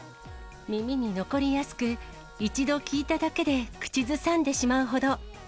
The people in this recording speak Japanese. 耳に残りやすく、一度聞いただけで口ずさんでしまうほど。